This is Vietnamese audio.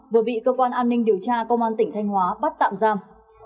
vừa bị cơ quan an ninh điều tra công an tỉnh thanh hóa bắt tạm giam